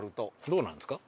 どうなんですか？